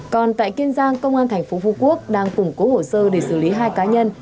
còn tại kiên giang công an thành phố phú quốc đang củng cố hồ sơ để xử lý hai cá nhân